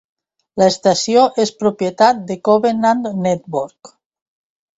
L'estació és propietat de Covenant Network.